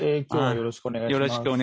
よろしくお願いします。